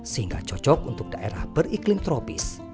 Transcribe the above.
sehingga cocok untuk daerah beriklim tropis